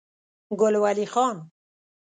ګل ولي خان